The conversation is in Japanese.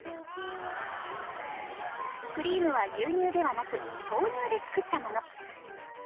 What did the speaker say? クリームは牛乳ではなく豆乳で作ったもの。